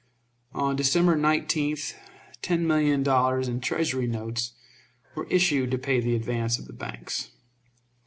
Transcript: On December 19th ten million dollars in Treasury notes were issued to pay the advance of the banks.